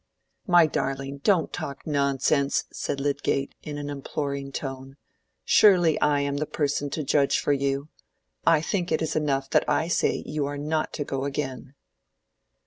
"My darling, don't talk nonsense," said Lydgate, in an imploring tone; "surely I am the person to judge for you. I think it is enough that I say you are not to go again."